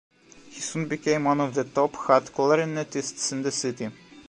He soon became one of the top hot clarinetists in the city.